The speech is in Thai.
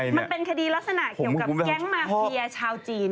มันเป็นคดีลักษณะเกี่ยวกับแก๊งมาเฟียชาวจีน